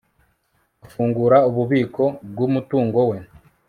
afungura ububiko bw'umutungo we